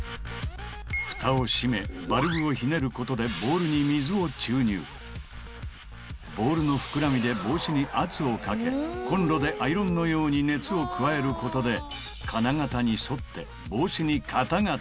フタを閉めバルブをひねることでボールの膨らみで帽子に圧をかけコンロでアイロンのように熱を加えることで硬いよ結構。